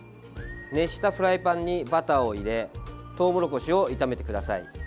熱したフライパンにバターを入れトウモロコシを炒めてください。